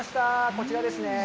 こちらですねー。